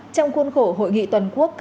trong khuôn khổ hội nghị toàn quốc